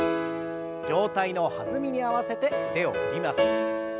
上体の弾みに合わせて腕を振ります。